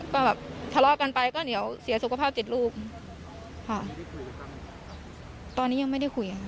ก็แบบทะเลาะกันไปก็เดี๋ยวเสียสุขภาพจิตลูกค่ะตอนนี้ยังไม่ได้คุยค่ะ